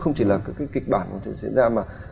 không chỉ là các cái kịch bản mà có thể diễn ra mà